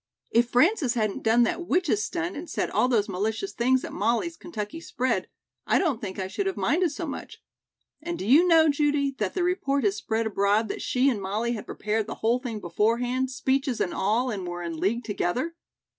"If Frances hadn't done that witch's stunt and said all those malicious things at Molly's Kentucky spread, I don't think I should have minded so much. And do you know, Judy, that the report has spread abroad that she and Molly had prepared the whole thing beforehand, speeches and all and were in league together?